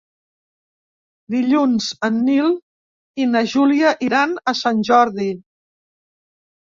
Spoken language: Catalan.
Dilluns en Nil i na Júlia iran a Sant Jordi.